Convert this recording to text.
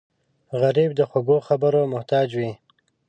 غریب د خوږو خبرو محتاج وي